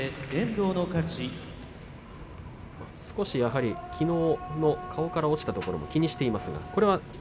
少しやはりきのうの顔から落ちたところを気にしている遠藤です。